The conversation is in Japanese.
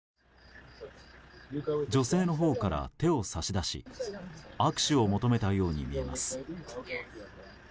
女性のほうから手を差し出し握手を求めたようにみえます。